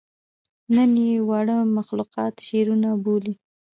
نن ئې واړه مخلوقات شعرونه بولي